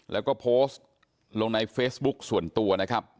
แล้วก็โพสต์ลงในเฟซบุ๊กส่วนตัวนะครับ